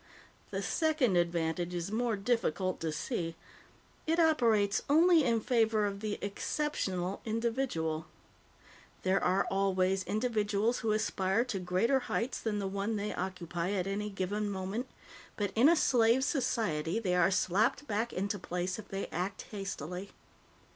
The second advantage is more difficult to see. It operates only in favor of the exceptional individual. There are always individuals who aspire to greater heights than the one they occupy at any given moment, but in a slave society, they are slapped back into place if they act hastily.